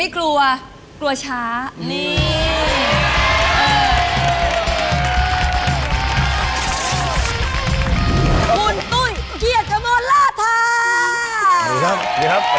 กล่าวเท้าด้วยครับผม